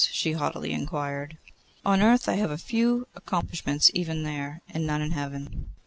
she haughtily inquired. 'On earth; I have few accomplishments even there, and none in Heaven.